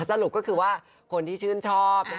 สรุปก็คือว่าคนที่ชื่นชอบ